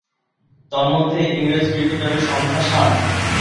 তন্মধ্যে, ইংরেজ ক্রিকেটারের সংখ্যা সাত।